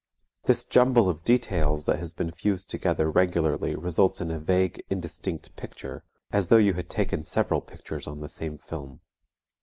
This jumble of details that has been fused together regularly results in a vague indistinct picture, as though you had taken several pictures on the same film.